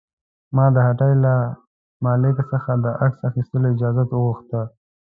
ما د هټۍ له مالک څخه د عکس اخیستلو اجازه وغوښته.